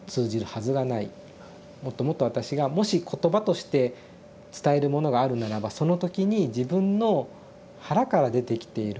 もっともっと私がもし言葉として伝えるものがあるならばその時に自分の腹から出てきている言葉